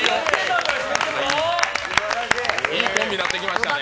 いいコンビになってきましたね。